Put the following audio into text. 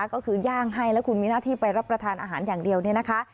ก็คือย่างให้แล้วคุณมีหน้าที่ไปรับประทานอาหารอย่างเดียวเนี่ยนะคะ